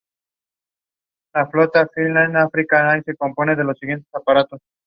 Se cultiva la yerba mate, citrus, te y mandioca principalmente.